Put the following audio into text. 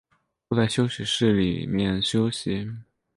坐在休息室里面休息